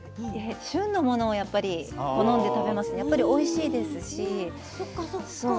旬のものをやっぱり好んで食べますね、やっぱりおいしいですし。